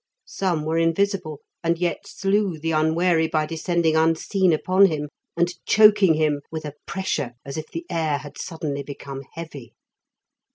Some were invisible, and yet slew the unwary by descending unseen upon him, and choking him with a pressure as if the air had suddenly become heavy.